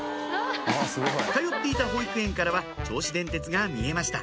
通っていた保育園からは銚子電鉄が見えました